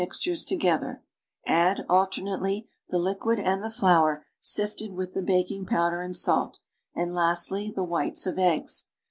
xtures together; add, alternately, the liquid and the flour sifted with the baking powder and salt, and, lastly, the whites of eggs.